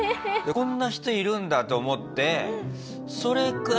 こんな人いるんだと思ってええっ！？